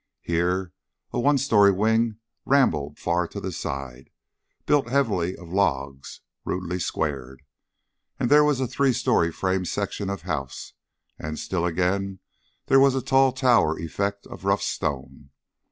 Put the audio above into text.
Here a one story wing rambled far to the side, built heavily, of logs rudely squared, and there was a three story frame section of the house; and still again there was a tall tower effect of rough stone.